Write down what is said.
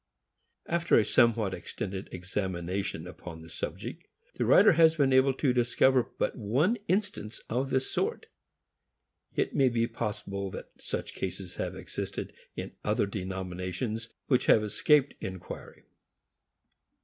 After a somewhat extended examination upon the subject, the writer has been able to discover but one instance of this sort. It may be possible that such cases have existed in other denominations, which have escaped inquiry.